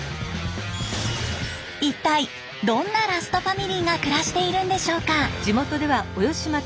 一体どんなラストファミリーが暮らしているんでしょうか？